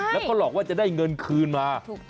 แล้วก็หลอกว่าจะได้เงินคืนมา